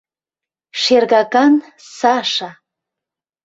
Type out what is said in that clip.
Шергакан Саша!